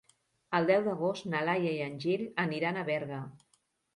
El deu d'agost na Laia i en Gil aniran a Berga.